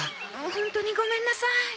ホントにごめんなさい。